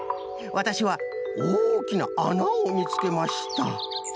わたしはおおきなあなをみつけました